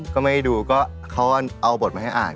ก็ไม่ดูก็เขาเอาบทมาให้อ่าน